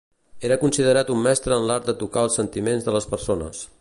Era considerat un mestre en l'art de tocar els sentiments de les persones.